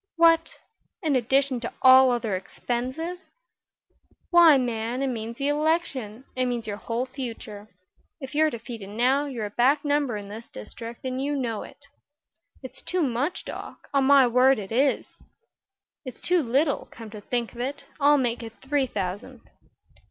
"What! In addition to all other expenses?" "Why, man; it means the election. It means your whole future. If you're defeated now, you're a back number in this district, and you know it." "It's too much, Doc. On my word it is." "It's too little, come to think of it. I'll make it three thousand."